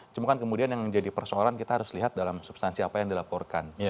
cuma kan kemudian yang jadi persoalan kita harus lihat dalam substansi apa yang dilaporkan